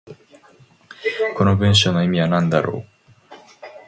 この文章の意味は何だろう。